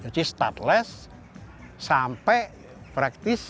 jadi stateless sampai praktis